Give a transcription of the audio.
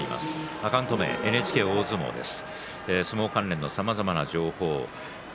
アカウント名はＮＨＫ大相撲です。